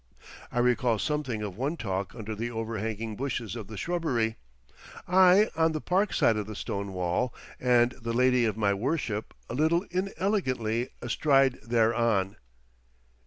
I recall something of one talk under the overhanging bushes of the shrubbery—I on the park side of the stone wall, and the lady of my worship a little inelegantly astride thereon.